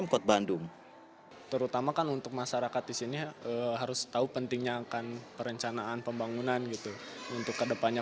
kota bandung ini juga akan memulihkan perencanaan pembangunan kota bandung